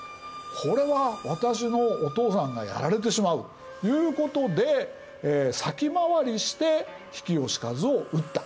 『これは私のお父さんがやられてしまう』ということで先回りして比企能員を討った。